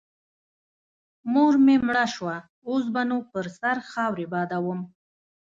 مور مې مړه سوه اوس به نو پر سر خاورې بادوم.